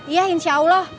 iya insya allah